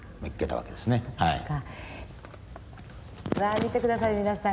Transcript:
見て下さい皆さん。